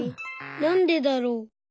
なんでだろう。